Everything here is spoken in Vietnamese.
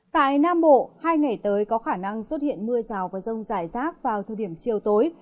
tại nam bộ hai ngày tới có khả năng xuất hiện mưa rào và rông rải rác vào thời điểm chiều tối